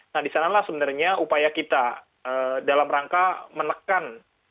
nah disanalah sebenarnya upaya kita dalam rangka menekan